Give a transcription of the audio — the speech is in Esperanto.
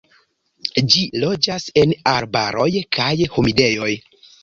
Ĝi loĝas en arbaroj kaj humidejoj.